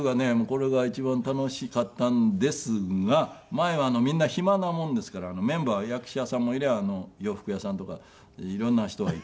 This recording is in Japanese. これが一番楽しかったんですが前はみんな暇なもんですからメンバー役者さんもいりゃ洋服屋さんとか色んな人がいたんですけど。